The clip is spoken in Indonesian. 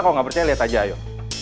kalau nggak percaya lihat aja ayo